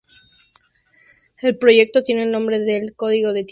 El proyecto tiene el nombre en código de "Titán".